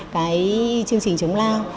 cái chương trình chống lao